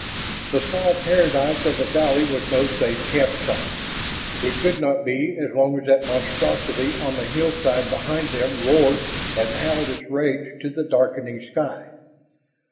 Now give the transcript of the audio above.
The small paradise of the valley was no safe campsite. It could not be so long as that monstrosity on the hillside behind them roared and howled its rage to the darkening sky.